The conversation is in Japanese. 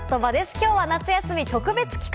きょうは夏休み特別企画。